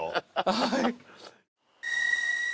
◆はい。